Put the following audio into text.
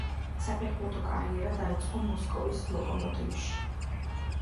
საფეხბურთო კარიერა დაიწყო მოსკოვის „ლოკომოტივში“.